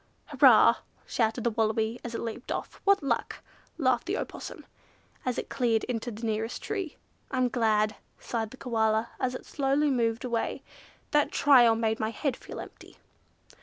"Hurrah!" shouted the Wallaby, as it leaped off. "What luck!" laughed the Opossum, as it cleared into the nearest tree. "I am glad," sighed the Koala, as it slowly moved away; "that trial made my head feel empty."